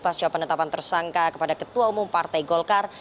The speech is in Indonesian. pasca penetapan tersangka kepada ketua umum partai golkar